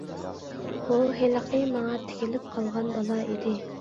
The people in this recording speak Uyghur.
ئۇ ھېلىقى ماڭا تىكىلىپ قالغان بالا ئىدى.